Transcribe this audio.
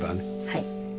はい。